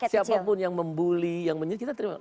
kita terima kasih siapapun yang membuli yang menyedihkan